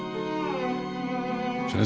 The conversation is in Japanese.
先生。